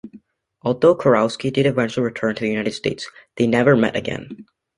Although Kurowsky did eventually return to the United States, they never met again.